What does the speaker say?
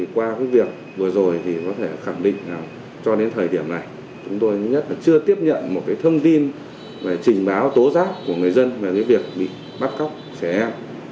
qua việc vừa rồi thì có thể khẳng định cho đến thời điểm này chúng tôi thứ nhất là chưa tiếp nhận một thông tin về trình báo tố giác của người dân về việc bị bắt cóc trẻ em